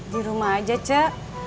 di rumah aja cek